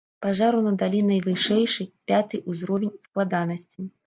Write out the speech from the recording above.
Пажару надалі найвышэйшы, пяты ўзровень складанасці.